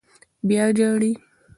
_بيا ژاړې!